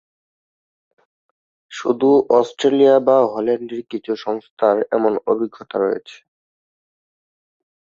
শুধু অস্ট্রেলিয়া বা হল্যান্ডের কিছু সংস্থার এমন অভিজ্ঞতা রয়েছে।